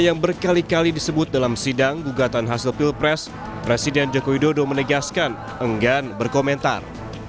yang berkali kali disebut dalam sidang gugatan hasil pilpres presiden jokowi dodo menegaskan enggan berkomentar